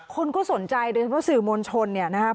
คนก็สนใจโดยเฉพาะสื่อมวลชนเนี่ยนะครับ